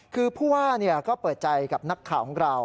คือผู้ว่าก็เปิดใจกับนักข่าวของเรา